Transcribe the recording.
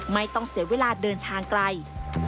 ไม่ต้องเสียเวลาเดินทางไกล